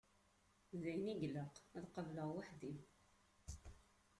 D ayen i ilaq ad qableɣ weḥd-i.